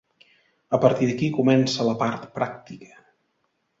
A partir d'aquí comença la part pràctica.